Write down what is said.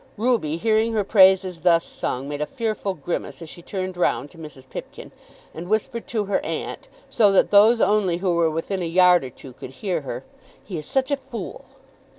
Ruby, hearing her praises thus sung, made a fearful grimace as she turned round to Mrs. Pipkin, and whispered to her aunt, so that those only who were within a yard or two could hear her; "He is such a fool!"